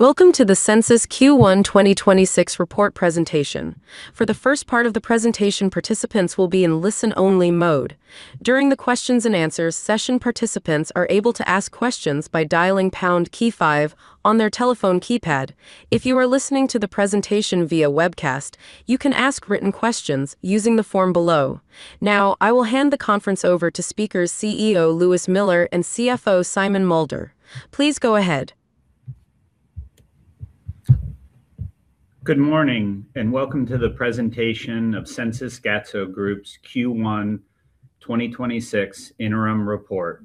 Welcome to the Sensys Q1 2026 report presentation. For the first part of the presentation, participants will be in listen-only mode. During the questions and answers session, participants are able to ask questions by dialing pound key five on their telephone keypad. If you are listening to the presentation via webcast, you can ask written questions using the form below. I will hand the conference over to speakers CEO Lewis Miller and CFO Simon Mulder. Please go ahead. Good morning, welcome to the presentation of Sensys Gatso Group's Q1 2026 interim report.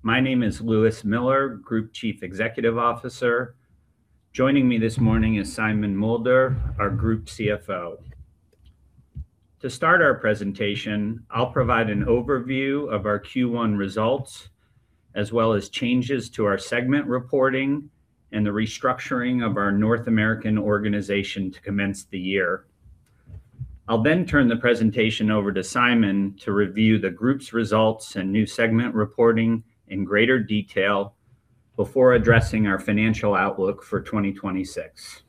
My name is Lewis Miller, Group Chief Executive Officer. Joining me this morning is Simon Mulder, our Group CFO. To start our presentation, I will provide an overview of our Q1 results, as well as changes to our segment reporting and the restructuring of our North American organization to commence the year. I will then turn the presentation over to Simon to review the group's results and new segment reporting in greater detail before addressing our financial outlook for 2026.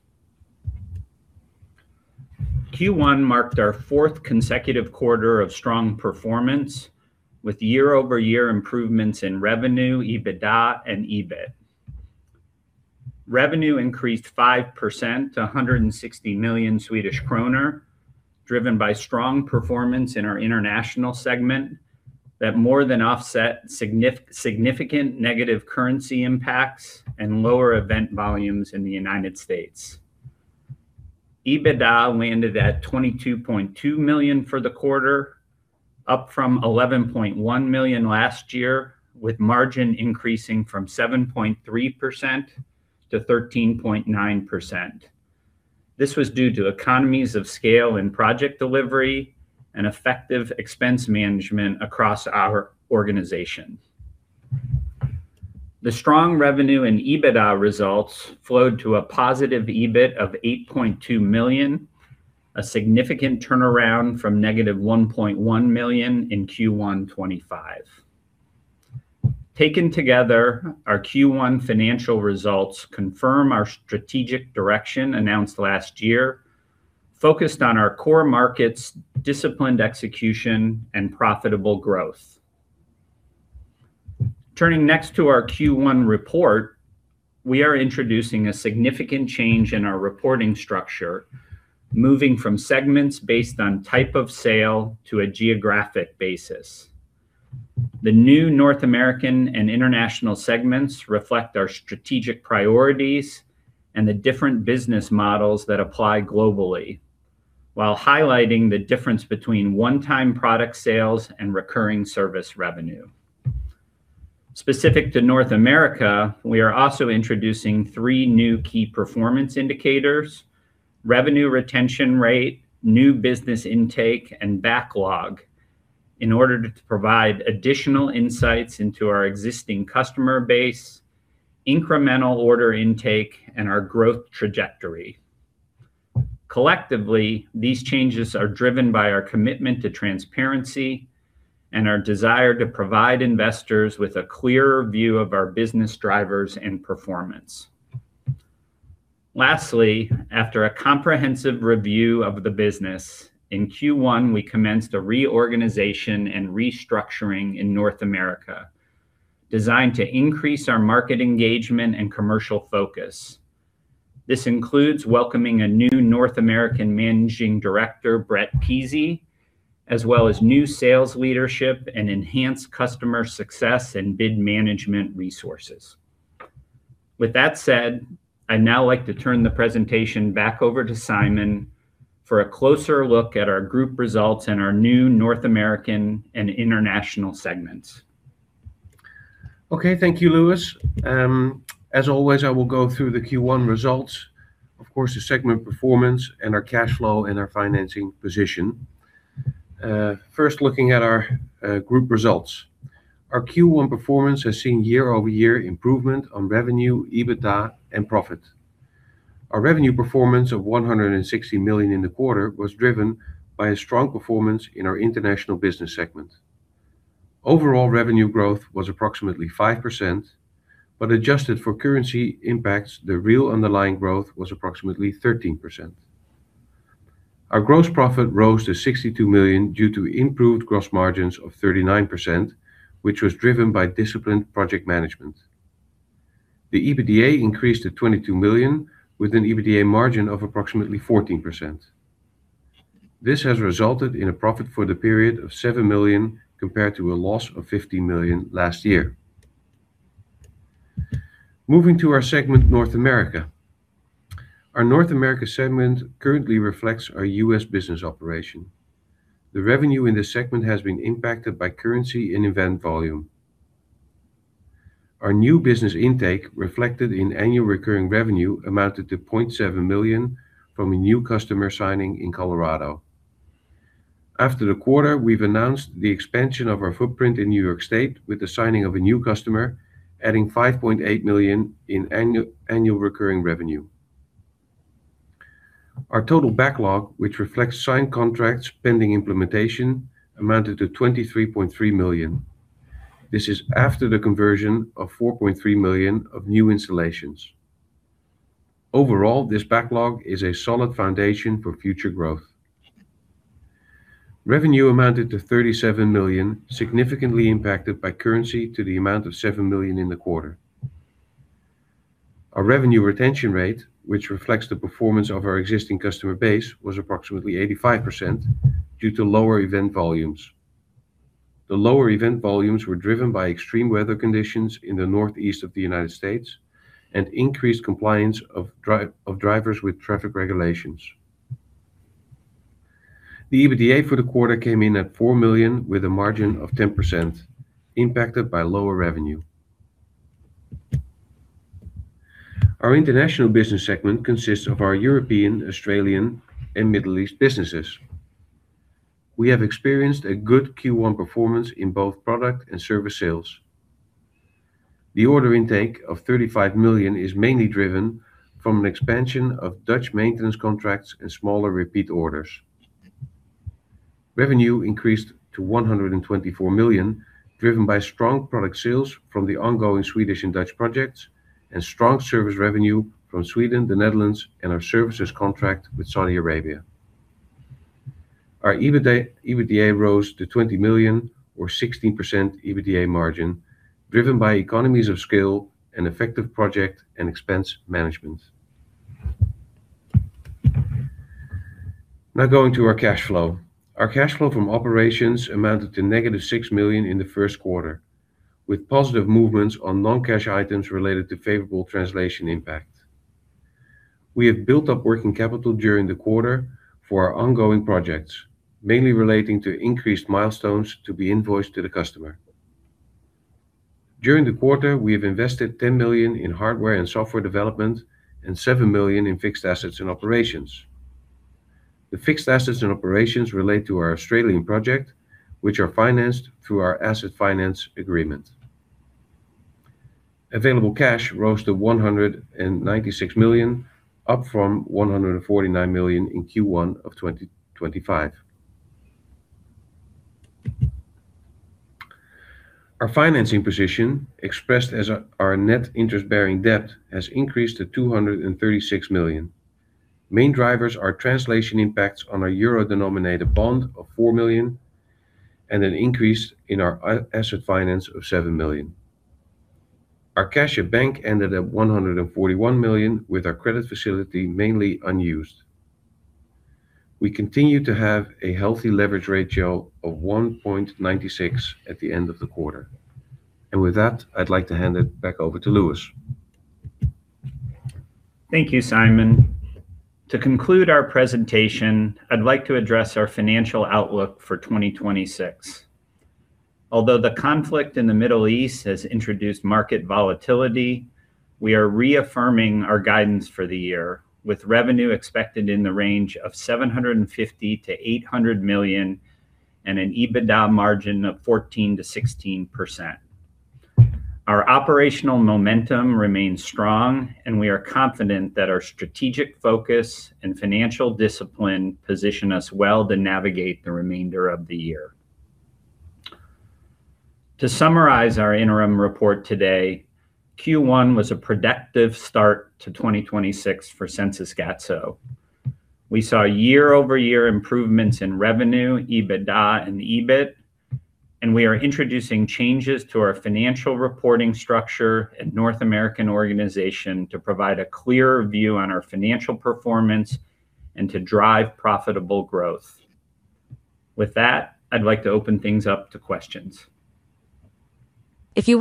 Q1 marked our fourth consecutive quarter of strong performance with year-over-year improvements in revenue, EBITDA and EBIT. Revenue increased 5% to 160 million Swedish kronor, driven by strong performance in our international segment that more than offset significant negative currency impacts and lower event volumes in the U.S. EBITDA landed at 22.2 million for the quarter, up from 11.1 million last year, with margin increasing from 7.3% to 13.9%. This was due to economies of scale in project delivery and effective expense management across our organization. The strong revenue and EBITDA results flowed to a positive EBIT of 8.2 million, a significant turnaround from negative 1.1 million in Q1 2025. Taken together, our Q1 financial results confirm our strategic direction announced last year, focused on our core markets, disciplined execution and profitable growth. Turning next to our Q1 report, we are introducing a significant change in our reporting structure, moving from segments based on type of sale to a geographic basis. The new North American and international segments reflect our strategic priorities and the different business models that apply globally, while highlighting the difference between one-time product sales and recurring service revenue. Specific to North America, we are also introducing three new key performance indicators: revenue retention rate, new business intake, and backlog in order to provide additional insights into our existing customer base, incremental order intake, and our growth trajectory. Collectively, these changes are driven by our commitment to transparency and our desire to provide investors with a clearer view of our business drivers and performance. Lastly, after a comprehensive review of the business, in Q1, we commenced a reorganization and restructuring in North America designed to increase our market engagement and commercial focus. This includes welcoming a new North American Managing Director, Bret Keezy, as well as new sales leadership and enhanced customer success and bid management resources. With that said, I'd now like to turn the presentation back over to Simon for a closer look at our group results and our new North American and International segments. Thank you, Lewis. As always, I will go through the Q1 results, of course, the segment performance and our cash flow and our financing position. First looking at our group results. Our Q1 performance has seen year-over-year improvement on revenue, EBITDA and profit. Our revenue performance of 160 million in the quarter was driven by a strong performance in our international business segment. Overall revenue growth was approximately 5%, adjusted for currency impacts, the real underlying growth was approximately 13%. Our gross profit rose to 62 million due to improved gross margins of 39%, which was driven by disciplined project management. The EBITDA increased to 22 million with an EBITDA margin of approximately 14%. This has resulted in a profit for the period of 7 million, compared to a loss of 15 million last year. Moving to our segment North America. Our North America segment currently reflects our U.S. business operation. The revenue in this segment has been impacted by currency and event volume. Our new business intake reflected in annual recurring revenue amounted to 0.7 million from a new customer signing in Colorado. After the quarter, we've announced the expansion of our footprint in New York State with the signing of a new customer, adding 5.8 million in annual recurring revenue. Our total backlog, which reflects signed contracts pending implementation, amounted to 23.3 million. This is after the conversion of 4.3 million of new installations. Overall, this backlog is a solid foundation for future growth. Revenue amounted to 37 million, significantly impacted by currency to the amount of 7 million in the quarter. Our revenue retention rate, which reflects the performance of our existing customer base, was approximately 85% due to lower event volumes. The lower event volumes were driven by extreme weather conditions in the northeast of the U.S. and increased compliance of drivers with traffic regulations. The EBITDA for the quarter came in at 4 million with a margin of 10%, impacted by lower revenue. Our international business segment consists of our European, Australian, and Middle East businesses. We have experienced a good Q1 performance in both product and service sales. The order intake of 35 million is mainly driven from an expansion of Dutch maintenance contracts and smaller repeat orders. Revenue increased to 124 million, driven by strong product sales from the ongoing Swedish and Dutch projects and strong service revenue from Sweden, the Netherlands, and our services contract with Saudi Arabia. Our EBITDA rose to 20 million or 16% EBITDA margin, driven by economies of scale and effective project and expense management. Going to our cash flow. Our cash flow from operations amounted to -6 million in the first quarter, with positive movements on non-cash items related to favorable translation impact. We have built up working capital during the quarter for our ongoing projects, mainly relating to increased milestones to be invoiced to the customer. During the quarter, we have invested 10 million in hardware and software development and 7 million in fixed assets and operations. The fixed assets and operations relate to our Australian project, which are financed through our asset finance agreement. Available cash rose to 196 million, up from 149 million in Q1 of 2025. Our financing position, expressed as our net interest-bearing debt, has increased to 236 million. Main drivers are translation impacts on our euro-denominated bond of 4 million and an increase in our asset finance of 7 million. Our cash at bank ended at 141 million, with our credit facility mainly unused. We continue to have a healthy leverage ratio of 1.96 at the end of the quarter. With that, I'd like to hand it back over to Lewis. Thank you, Simon. To conclude our presentation, I'd like to address our financial outlook for 2026. Although the conflict in the Middle East has introduced market volatility, we are reaffirming our guidance for the year, with revenue expected in the range of 750 million-800 million and an EBITDA margin of 14%-16%. We are confident that our strategic focus and financial discipline position us well to navigate the remainder of the year. To summarize our interim report today, Q1 was a productive start to 2026 for Sensys Gatso. We saw year-over-year improvements in revenue, EBITDA, and EBIT, and we are introducing changes to our financial reporting structure and North American organization to provide a clearer view on our financial performance and to drive profitable growth. With that, I'd like to open things up to questions. The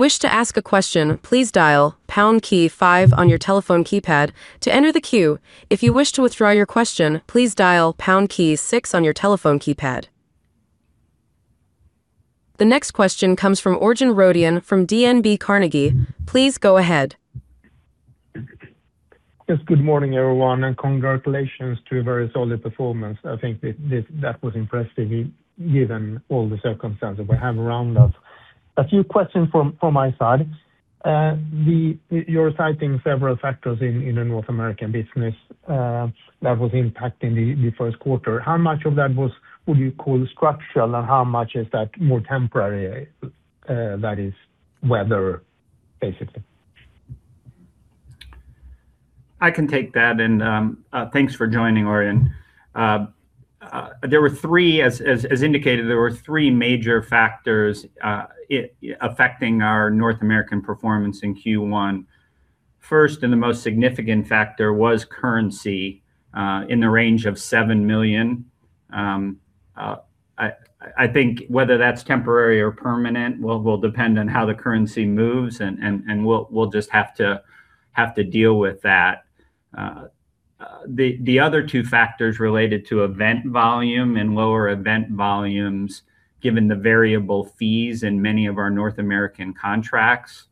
next question comes from Örjan Rödén from DNB Carnegie. Please go ahead. Yes, good morning, everyone, and congratulations to a very solid performance. I think that was impressive given all the circumstances we have around us. A few questions from my side. You're citing several factors in the North American business that was impacting the first quarter. How much of that would you call structural, and how much is that more temporary, that is weather, basically? I can take that and thanks for joining, Örjan. As indicated, there were three major factors affecting our North American performance in Q1. First, and the most significant factor was currency, in the range of 7 million. I think whether that's temporary or permanent will depend on how the currency moves and we'll just have to deal with that. The other two factors related to event volume and lower event volumes, given the variable fees in many of our North American contracts.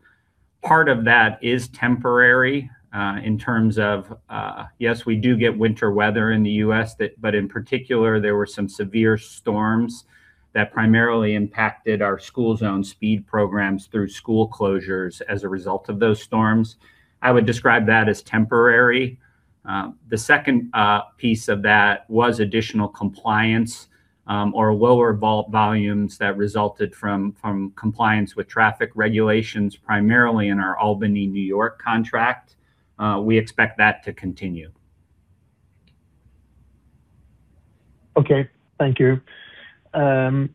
Part of that is temporary, yes, we do get winter weather in the U.S. but in particular, there were some severe storms that primarily impacted our school zone speed programs through school closures as a result of those storms. I would describe that as temporary. The second piece of that was additional compliance or lower volumes that resulted from compliance with traffic regulations, primarily in our Albany, New York contract. We expect that to continue. Okay. Thank you. Second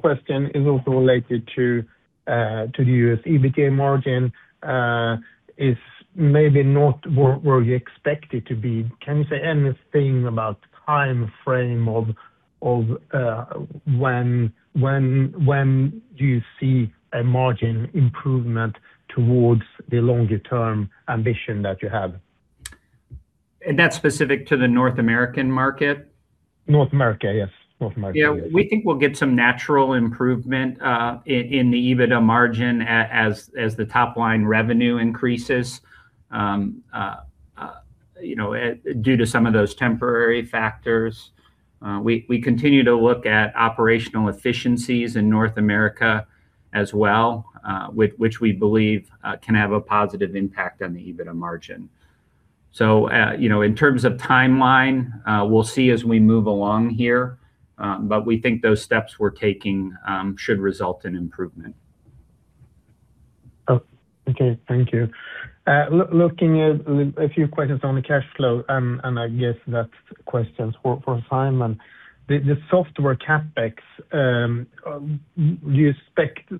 question is also related to the U.S. EBITDA margin, is maybe not where you expect it to be. Can you say anything about timeframe of when do you see a margin improvement towards the longer-term ambition that you have? That's specific to the North American market? North America, yes. North America. Yeah. We think we'll get some natural improvement in the EBITDA margin as the top line revenue increases. You know, due to some of those temporary factors. We continue to look at operational efficiencies in North America as well, which we believe can have a positive impact on the EBITDA margin. You know, in terms of timeline, we'll see as we move along here. We think those steps we're taking should result in improvement. Oh, okay. Thank you. Looking at a few questions on the cash flow, I guess that question's for Simon. The software CapEx,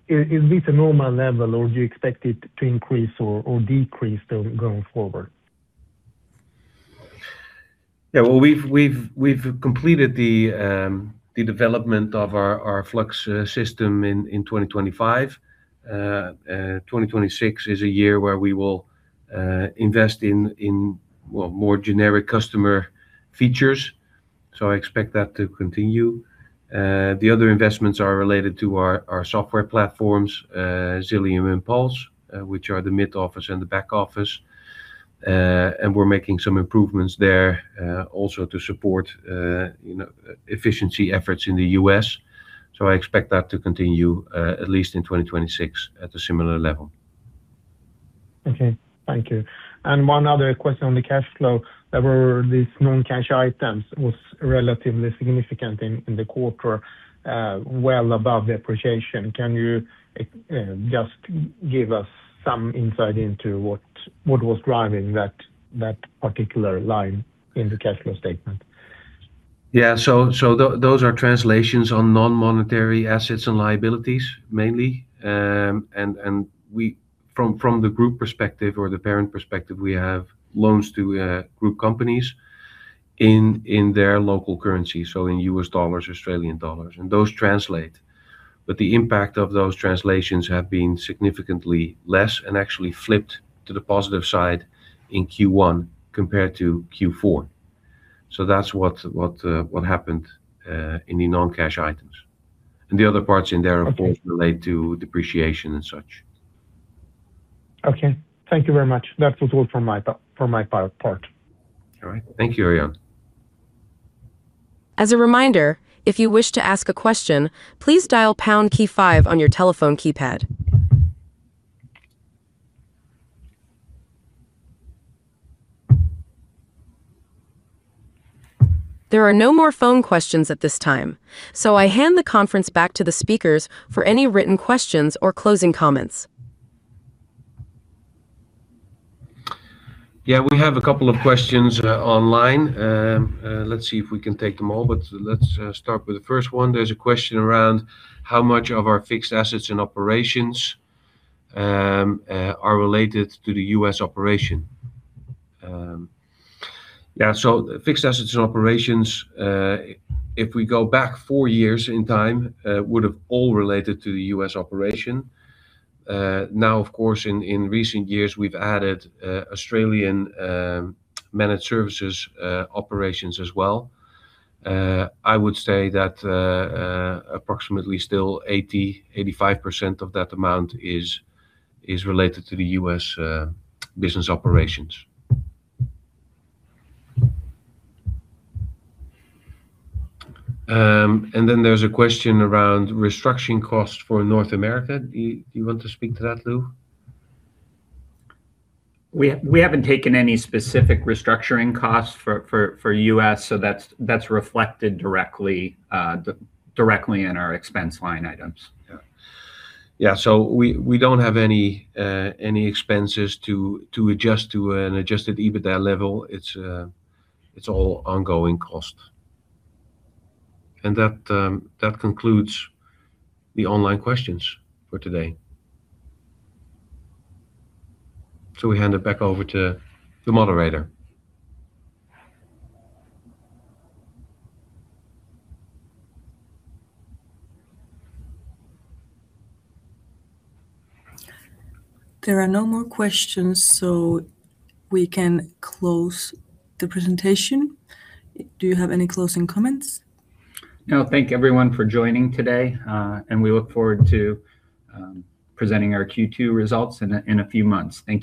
is this a normal level, or do you expect it to increase or decrease going forward? Well, we've completed the development of our FLUX system in 2025. 2026 is a year where we will invest in, well, more generic customer features. I expect that to continue. The other investments are related to our software platforms, Xilium and Puls, which are the mid-office and the back office. We're making some improvements there, also to support, you know, efficiency efforts in the U.S. I expect that to continue, at least in 2026 at a similar level. Okay. Thank you. One other question on the cash flow. There were these non-cash items, was relatively significant in the quarter, well above the depreciation. Can you just give us some insight into what was driving that particular line in the cash flow statement? Yeah. Those are translations on non-monetary assets and liabilities mainly. From the group perspective or the parent perspective, we have loans to group companies in their local currency, so in U.S. dollars, Australian dollars, and those translate. The impact of those translations have been significantly less and actually flipped to the positive side in Q1 compared to Q4. That's what happened in the non-cash items. The other parts in there, of course, relate to depreciation and such. Okay. Thank you very much. That was all from my part. All right. Thank you, Örjan. As a reminder, if you wish to ask a question, please dial pound key five on your telephone keypad. There are no more phone questions at this time, so I hand the conference back to the speakers for any written questions or closing comments. Yeah. We have a couple of questions online. Let's see if we can take them all, but let's start with the first one. There's a question around how much of our fixed assets and operations are related to the U.S. operation. Yeah. Fixed assets and operations, if we go back four years in time, would've all related to the U.S. operation. Now, of course, in recent years, we've added Australian managed services operations as well. I would say that approximately still 80%-85% of that amount is related to the U.S. business operations. Then there's a question around restructuring costs for North America. Do you want to speak to that, Lou? We haven't taken any specific restructuring costs for U.S. That's reflected directly in our expense line items. Yeah. Yeah. We don't have any expenses to adjust to an adjusted EBITDA level. It's all ongoing cost. That concludes the online questions for today. We hand it back over to the moderator. There are no more questions, so we can close the presentation. Do you have any closing comments? No. Thank everyone for joining today. We look forward to presenting our Q2 results in a few months. Thank you.